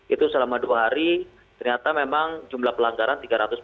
itu selama dua hari ternyata memang jumlah pelanggaran tiga ratus empat puluh